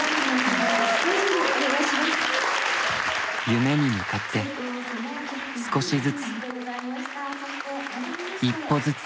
夢に向かって少しずつ一歩ずつ。